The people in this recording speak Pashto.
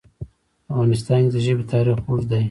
په افغانستان کې د ژبې تاریخ اوږد دی.